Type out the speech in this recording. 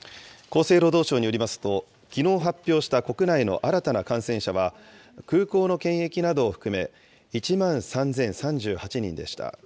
厚生労働省によりますと、きのう発表した国内の新たな感染者は、空港の検疫などを含め、１万３０３８人でした。